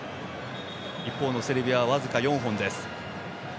一方のセルビアは僅か４本です。